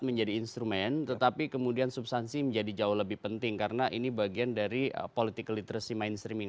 menjadi instrumen tetapi kemudian substansi menjadi jauh lebih penting karena ini bagian dari political literacy mainstreaming